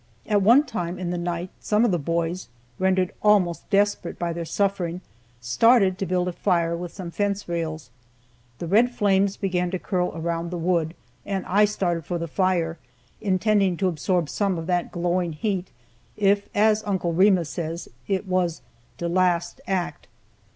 At one time in the night some of the boys, rendered almost desperate by their suffering started to build a fire with some fence rails. The red flames began to curl around the wood, and I started for the fire, intending to absorb some of that glowing heat, if, as Uncle Remus says, "it wuz de las' ack."